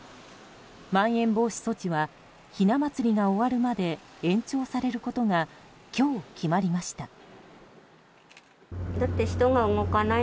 まん延防止措置はひな祭りが終わるまで延長されることが今日、決まりました。